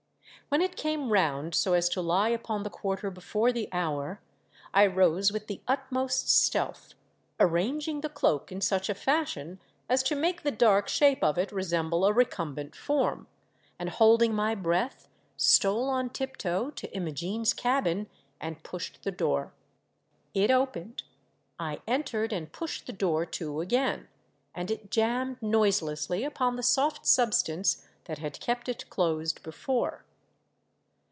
When it came round so as to lie upon the quarter before the hour, I rose with the utmost stealth, arranging the cloak in such a fashion as to make the dark shape of it resemble a recumbent form, and holding my breath, stole on tiptoe to Imogene's cabin and pushed the door. It opened ; I entered and pushed the door to again, and it jammed noiselessly upon the soft substance that had kept it closed before.